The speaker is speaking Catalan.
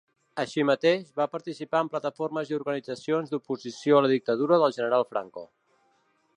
Així mateix, va participar en plataformes i organitzacions d'oposició a la dictadura del general Franco.